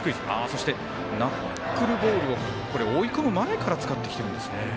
そして、ナックルボールを追い込む前から使ってきてるんですね。